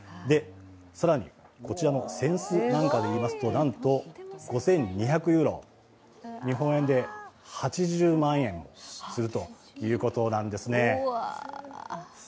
更にこちらの扇子なんかでいいますとなんと５２００ユーロ、日本円で８０万円もするということなんですね。